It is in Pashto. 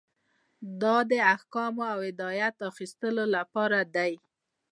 دا د احکامو او هدایت د اخیستلو لپاره دی.